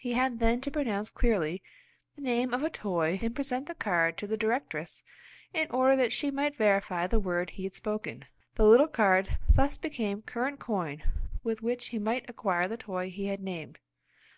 He had then to pronounce clearly the name of a toy and present the card to the directress in order that she might verify the word he had spoken. The little card thus became current coin with which he might acquire the toy he had named.